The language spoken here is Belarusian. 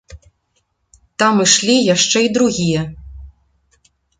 Там ішлі яшчэ й другія.